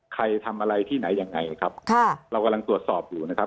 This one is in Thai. ใครทำอะไรที่ไหนยังไงครับค่ะเรากำลังตรวจสอบอยู่นะครับ